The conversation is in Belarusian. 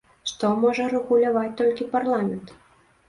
Што можа рэгуляваць толькі парламент?